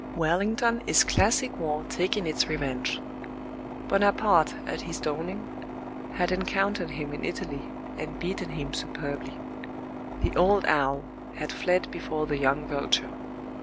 Wellington is classic war taking its revenge. Bonaparte, at his dawning, had encountered him in Italy, and beaten him superbly. The old owl had fled before the young vulture.